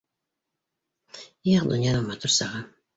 Их, донъяның матур сағы